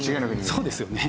そうですよね。